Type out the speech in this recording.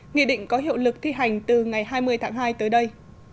nghị định có hiệu lực thi hành từ ngày hai mươi tháng hai tới đây